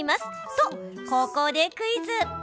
と、ここでクイズ！